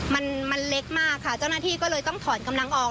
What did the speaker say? มันมันเล็กมากค่ะเจ้าหน้าที่ก็เลยต้องถอนกำลังออก